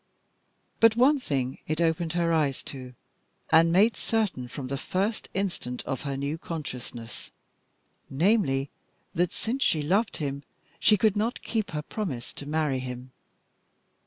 But one thing it opened her eyes to, and made certain from the first instant of her new consciousness, namely, that since she loved him she could not keep her promise to marry him.